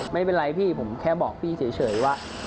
ไม่เป็นไรพี่ผมแค่บอกพี่เฉยว่า